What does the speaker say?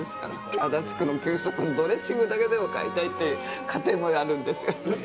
足立区の給食のドレッシングだけでも、買いたいっていう家庭まであるんですよ。